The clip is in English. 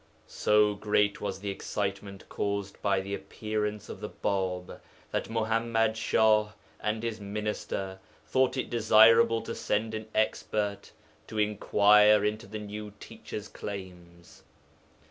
So great was the excitement caused by the appearance of the Bāb that Muḥammad Shah and his minister thought it desirable to send an expert to inquire into the new Teacher's claims.